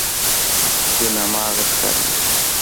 دین هماغه ښکارېږي.